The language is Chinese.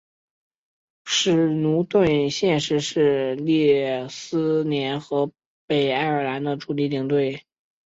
史奴顿现时是列斯联和北爱尔兰的助理领队。